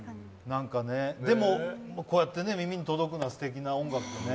でも、こうやって耳に届くのはすてきな音楽でね。